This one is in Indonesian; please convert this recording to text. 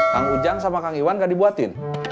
kang ujang sama kang iwan gak dibuatin